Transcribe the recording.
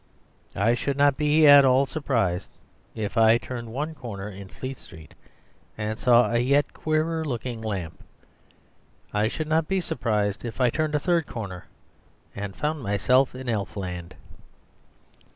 I should not be at all surprised if I turned one corner in Fleet Street and saw a yet queerer looking lamp; I should not be surprised if I turned a third corner and found myself in Elfland.